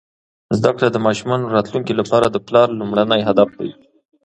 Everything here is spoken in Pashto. زده کړه د ماشومانو راتلونکي لپاره د پلار لومړنی هدف دی.